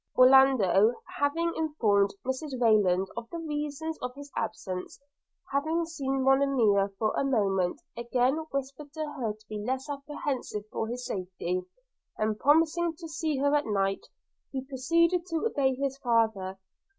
Orlando having informed Mrs Rayland of the reason of his absence; having seen Monimia for a moment, again whispered to her to be less apprehensive for his safety, and promising to see her at night, he proceeded to obey his father.